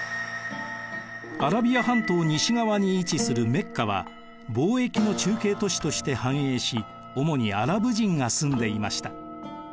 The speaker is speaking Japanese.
アラビア半島西側に位置するメッカは貿易の中継都市として繁栄し主にアラブ人が住んでいました。